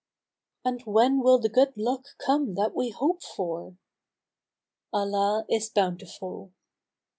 '" "And when will the good luck come that we hope for?" "Allah is bountiful."